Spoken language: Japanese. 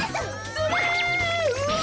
それ。